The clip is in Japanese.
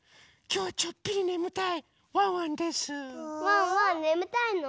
ワンワンねむたいの？